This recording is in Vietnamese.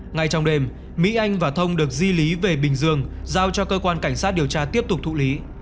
ngay trong đêm mỹ anh và thông được di lý về bình dương giao cho cơ quan cảnh sát điều tra tiếp tục thụ lý